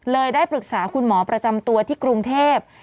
ได้ปรึกษาคุณหมอประจำตัวที่กรุงเทพ